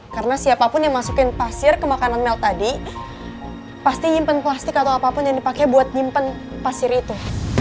karena siapapun yang masukin pasir ke makanan mel tadi pasti nyimpen plastik atau apapun yang dipakai buat nyimpen pasir itu